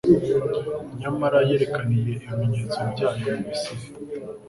Nyamara yerekaniye ibimenyetso byayo mu Misiri